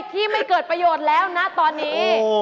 ที่ไม่เกิดประโยชน์แล้วนะตอนนี้